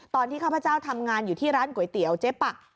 ข้าพเจ้าทำงานอยู่ที่ร้านก๋วยเตี๋ยวเจ๊ปัก